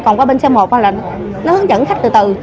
còn qua bên xe một là nó hướng dẫn khách từ từ